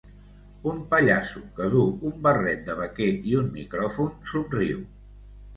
Un pallasso que duu un barret de vaquer i un micròfon somriu.